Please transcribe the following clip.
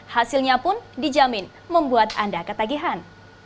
hasilnya pun dijamin membuat anda ketagihan